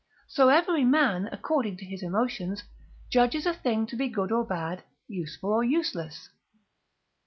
So every man, according to his emotions, judges a thing to be good or bad, useful or useless.